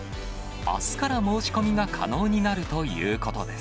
あすから申し込みが可能になるということです。